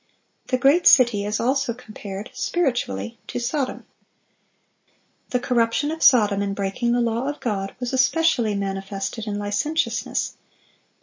The "great city" is also compared, "spiritually," to Sodom. The corruption of Sodom in breaking the law of God was especially manifested in licentiousness.